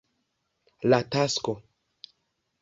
La Tasko.